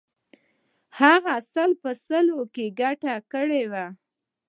هغه سل په سلو کې ګټه کړې وه.